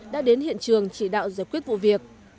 đã đến hiện trường chỉ đạo giải quyết vụ việc